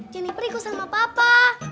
jennifer ikut sama papa